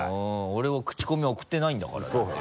俺はクチコミ送ってないんだからだって。